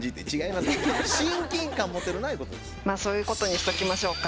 まあそういうことにしときましょうか。